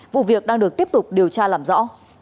vụ việc đang được tiếp tục điều tra làm rõ